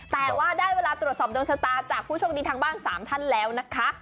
แต่ว่าได้เวลาตรวจสอบโดนชะตาจากผู้โชคดีทางบ้าน๓ท่านแล้วนะคะ